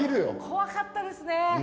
怖かったですね！